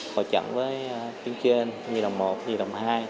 hội trận với phía trên di động một di động hai